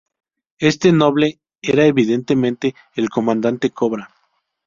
Este noble era, evidentemente, el Comandante Cobra.